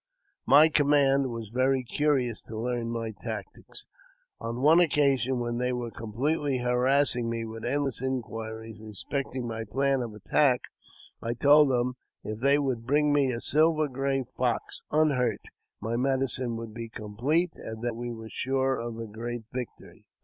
My command were very curious to learn my tactics. On one occasion, when they were completely harassing me with endless inquiries respecting my plan of attack, I told them, if they would bring me a silver gray fox, unhurt, my medicine would be complete, and that we were sure of a great victory.